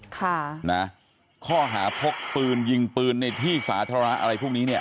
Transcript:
ค่ะนะข้อหาพกปืนยิงปืนในที่สาธารณะอะไรพวกนี้เนี่ย